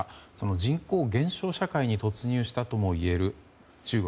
人口減少社会に突入したともいえる中国。